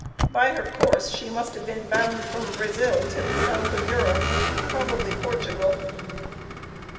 By her course, she must have been bound from Brazil to the south of Europe, probably Portugal.